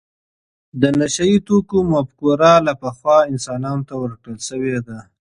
د نشه یې توکو مفکوره له پخوا انسانانو ته ورکړل شوې ده.